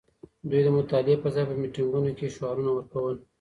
دوی د مطالعې پر ځای په میټینګونو کي شعارونه ورکول.